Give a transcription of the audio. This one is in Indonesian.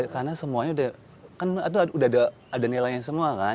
karena semuanya sudah kan itu sudah ada nilainya semua kan